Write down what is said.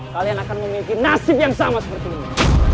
kalian akan memiliki nasib yang sama seperti ini